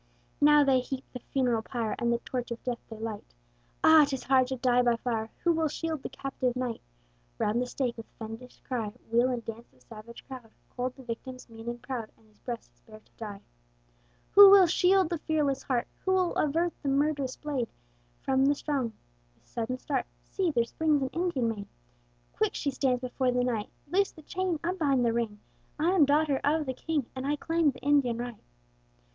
Now they heap the funeral pyre, And the torch of death they light; Ah! 'tis hard to die by fire! Who will shield the captive knight? Round the stake with fiendish cry Wheel and dance the savage crowd, Cold the victim's mien and proud, And his breast is bared to die. Who will shield the fearless heart? Who avert the murderous blade? From the throng with sudden start See, there springs an Indian maid. Quick she stands before the knight: "Loose the chain, unbind the ring! I am daughter of the king, And I claim the Indian right!"